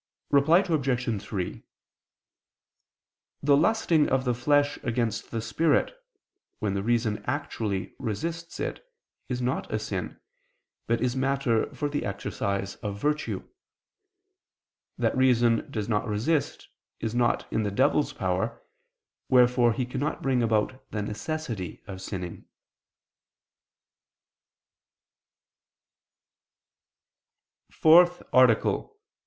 Reply Obj. 3: The lusting of the flesh against the spirit, when the reason actually resists it, is not a sin, but is matter for the exercise of virtue. That reason does not resist, is not in the devil's power; wherefore he cannot bring about the necessity of sinning. ________________________ FOURTH ARTICLE [I II, Q.